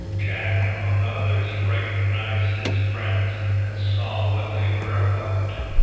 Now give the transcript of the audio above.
Jack among others recognised his friends, and saw what they were about.